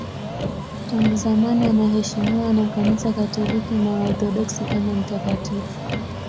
Tangu zamani anaheshimiwa na Kanisa Katoliki na Waorthodoksi kama mtakatifu.